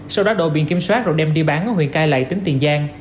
sau đó đổ biển kiểm soát rồi đem đi bán ở huyện cai lậy tỉnh tiền giang